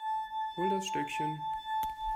Hol das Stöckchen.